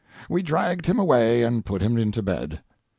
We dragged him away, and put him into bed.